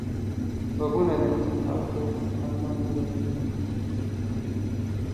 غوږونه د نصیحتو خزانه جوړوي